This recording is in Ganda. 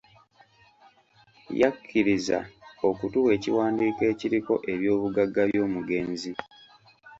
Yakkiriza okutuwa ekiwandiiko ekiriko eby'obugagga by'omugenzi.